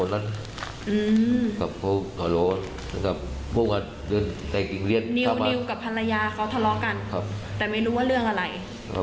ไม่สนใจเลยแรกว่าเลือกเนอะ